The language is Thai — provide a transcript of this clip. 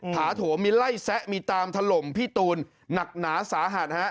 ถาโถมมีไล่แซะมีตามถล่มพี่ตูนหนักหนาสาหัสฮะ